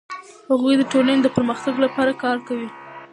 هغوی د ټولنې د پرمختګ لپاره کار کوي.